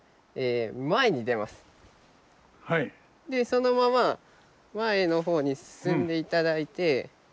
そのまま前の方に進んでいただいて。